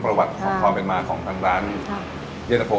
ประวัติของความเป็นมาของทางร้านเยตะโพ